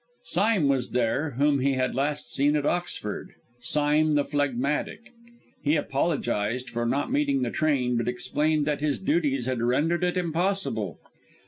Sime was there, whom he had last seen at Oxford, Sime the phlegmatic. He apologised for not meeting the train, but explained that his duties had rendered it impossible.